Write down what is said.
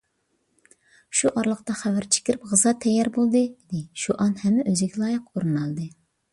شۇ ئارىلىقتا خەۋەرچى كىرىپ: «غىزا تەييار بولدى» دېدى. شۇئان ھەممە ئۆزىگە لايىق ئورۇن ئالدى.